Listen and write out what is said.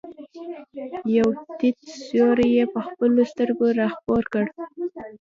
یو تت سیوری یې په خپلو سترګو را خپور کړ.